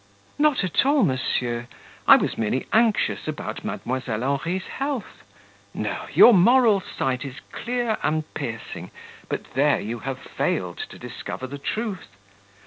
"Not at all, monsieur, I was merely anxious about Mdlle. Henri's health; no, your moral sight is clear and piercing, but there you have failed to discover the truth.